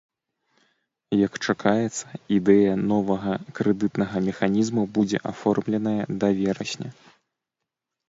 Як чакаецца, ідэя новага крэдытнага механізму будзе аформленая да верасня.